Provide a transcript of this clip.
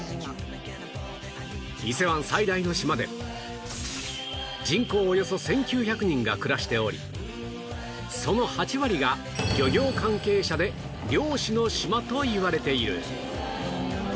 伊勢湾最大の島で人口およそ１９００人が暮らしておりその８割が漁業関係者で漁師の島といわれている